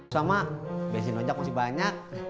sama bensin ojak masih banyak